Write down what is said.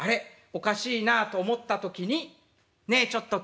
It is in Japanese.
おかしいなあと思った時に「ねえちょっと聞いてんの？」。